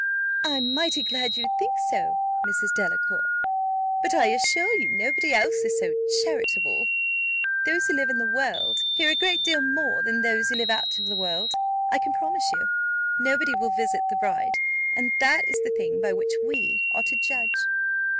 "I'm mighty glad you think so, Mrs. Delacour; but I assure you nobody else is so charitable. Those who live in the world hear a great deal more than those who live out of the world. I can promise you, nobody will visit the bride, and that is the thing by which we are to judge."